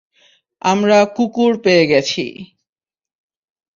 আমরা কুকুর পেয়ে গেছি।